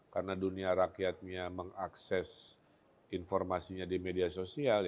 karena dunia rakyatnya mengakses informasinya di media sosial